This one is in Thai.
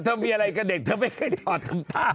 เธอมีอะไรกับเด็กเธอไม่เคยถอดถุงเท้า